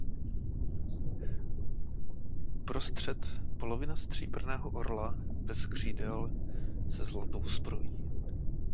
Uprostřed polovina stříbrného orla bez křídel se zlatou zbrojí.